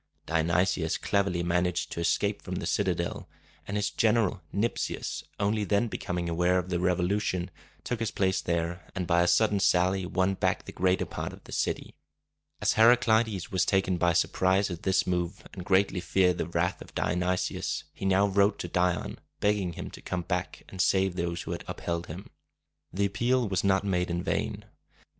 Dionysius cleverly managed to escape from the citadel; and his general, Nyp´sius, only then becoming aware of the revolution, took his place there, and by a sudden sally won back the greater part of the city. As Heraclides was taken by surprise at this move, and greatly feared the wrath of Dionysius, he now wrote to Dion, begging him to come back and save those who had upheld him. The appeal was not made in vain.